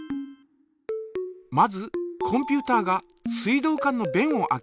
まずコンピュータが水道管のべんを開けます。